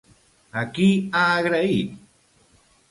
A qui ha agraït?